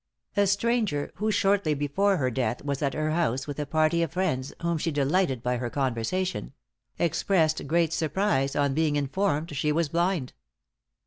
A stranger, who shortly before her death was at her house with a party of friends, whom she delighted by her conversation expressed great surprise on being informed she was blind.